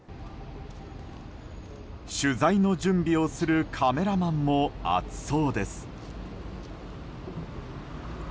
取材の準備をするカメラマンも暑そうです。